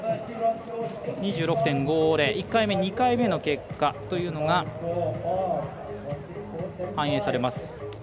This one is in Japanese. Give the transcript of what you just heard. １回目、２回目の結果というのが反映されます。